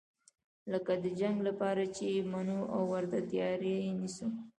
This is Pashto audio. لکه د جنګ لپاره چې یې منو او ورته تیاری نیسو.